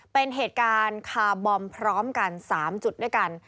เป็นเหตุการณ์คาร์บอมพร้อมกัน๓จุดด้วยกัน